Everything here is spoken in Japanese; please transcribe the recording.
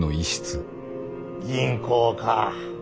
銀行かぁ。